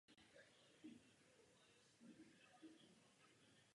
V současnosti je chrám duchovním centrem Srbů na území Kosova.